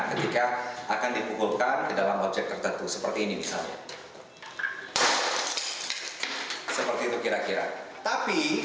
ketika akan dipukulkan ke dalam objek tertentu seperti ini misalnya seperti itu kira kira tapi